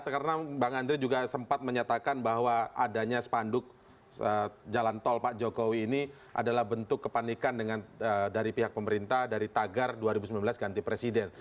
karena bang andri juga sempat menyatakan bahwa adanya sepanduk jalan tol pak jokowi ini adalah bentuk kepanikan dari pihak pemerintah dari tagar dua ribu sembilan belas ganti presiden